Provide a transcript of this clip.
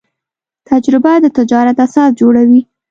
تجربه د تجارت اساس جوړوي.